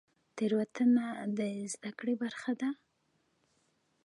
تیروتنه د زده کړې برخه ده؟